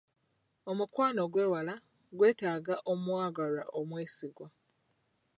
Omukwano ogw'ewala gwetaaga omwagalwa omwesigwa.